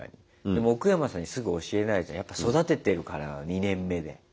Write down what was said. でもオクヤマさんにすぐ教えないじゃんやっぱ育ててるから２年目で。